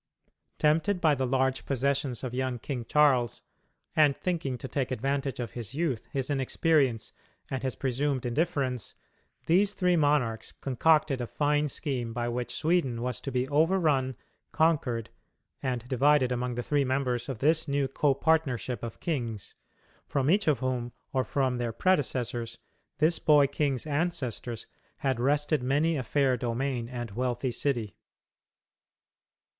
Tempted by the large possessions of young King Charles, and thinking to take advantage of his youth, his inexperience, and his presumed indifference, these three monarchs concocted a fine scheme by which Sweden was to be overrun, conquered, and divided among the three members of this new copartnership of kings from each of whom, or from their predecessors, this boy king's ancestors had wrested many a fair domain and wealthy city.